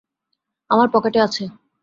আমার পকেটে আছে।